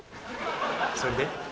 それで？